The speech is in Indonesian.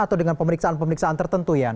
atau dengan pemeriksaan pemeriksaan tertentu ya